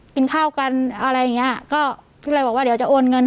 กินข้าวกันอะไรอย่างเงี้ยก็เลยบอกว่าเดี๋ยวจะโอนเงิน